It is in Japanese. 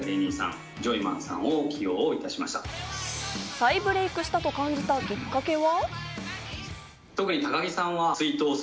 再ブレイクしたと感じたきっかけは。